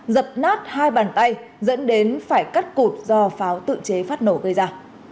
dập nát hai bàn tay dẫn đến phải cắt cụt do pháo tự chế phát nổ gây ra